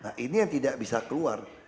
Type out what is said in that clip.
nah ini yang tidak bisa keluar